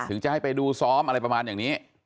จะให้ไปดูซ้อมอะไรประมาณอย่างนี้